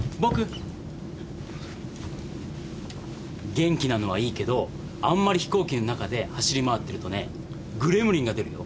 元気なのはいいけどあんまり飛行機の中で走り回ってるとねグレムリンが出るよ。